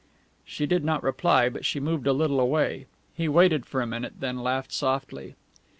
She did not reply, but she moved a little away. He waited for a minute, then laughed softly.